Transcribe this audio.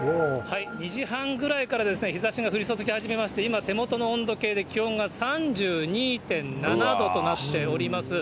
２時半ぐらいからですね、日ざしが降り注ぎ始めまして、今、手元の温度計で気温が３２．７度となっております。